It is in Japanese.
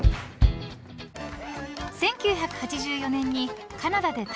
［１９８４年にカナダで誕生］